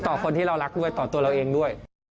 คนที่เรารักด้วยต่อตัวเราเองด้วย